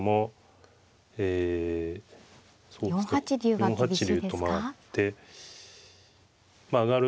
４八竜と回ってまあ上がる。